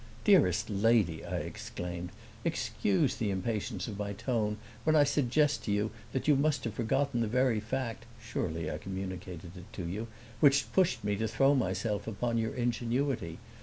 "Dearest lady," I exclaimed, "excuse the impatience of my tone when I suggest that you must have forgotten the very fact (surely I communicated it to you) which pushed me to throw myself upon your ingenuity.